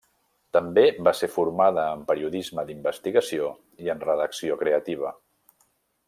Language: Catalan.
També va ser formada en periodisme d'investigació i en redacció creativa.